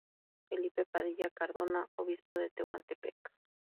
Felipe Padilla Cardona, obispo de Tehuantepec.